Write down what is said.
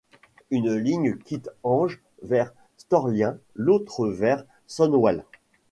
Une ligne quitte Ånge vers Storlien, l'autre vers Sundsvall.